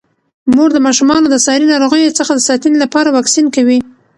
مور د ماشومانو د ساري ناروغیو څخه د ساتنې لپاره واکسین کوي.